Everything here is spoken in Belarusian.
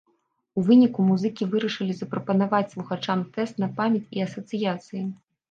У выніку музыкі вырашылі запрапанаваць слухачам тэст на памяць і асацыяцыі.